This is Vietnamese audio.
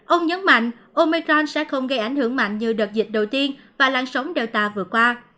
ông nhấn mạnh omecron sẽ không gây ảnh hưởng mạnh như đợt dịch đầu tiên và làn sóng data vừa qua